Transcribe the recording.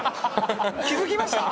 気付きました？